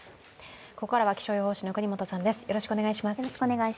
ここからは気象予報士の國本さんです。